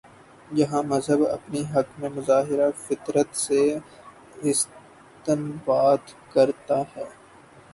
جہاں مذہب اپنے حق میں مظاہر فطرت سے استنباط کر تا ہے۔